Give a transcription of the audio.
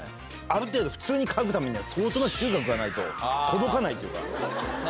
ある程度、普通に嗅ぐためには相当な嗅覚がないと届かないというか。